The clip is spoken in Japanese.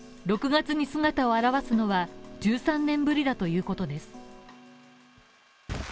６月に姿を現すのは１３年ぶりだということです。